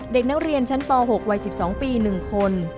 เด็กนักเรียนชั้นป๖วัย๑๒ปี๑คน